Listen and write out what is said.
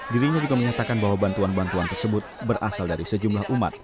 dirinya juga menyatakan bahwa bantuan bantuan tersebut berasal dari sejumlah umat